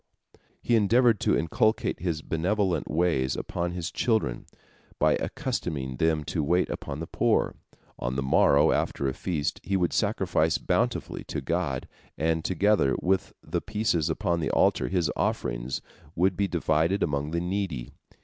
He endeavored to inculcate his benevolent ways upon his children, by accustoming them to wait upon the poor. On the morrow after a feast he would sacrifice bountifully to God, and together with the pieces upon the altar his offerings would be divided among the needy.